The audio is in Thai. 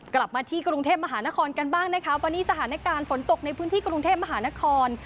กลับมาที่กรุงเทพมหานครกันบ้างนะคะวันนี้สถานการณ์ฝนตกในพื้นที่กรุงเทพมหานคร